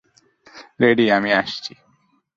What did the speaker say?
Ready, আমি আসছি।